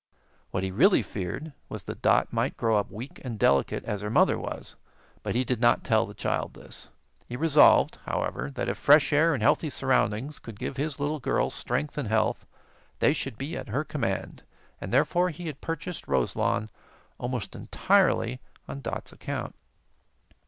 What he really feared was that Dot might grow up weak and delicate as her mother was; but he did not tell the child this. He resolved, however, that if fresh air and healthy surroundings could give his little girl strength and health, they should be at her command, and therefore he had purchased Roselawn almost entirely on Dot's account.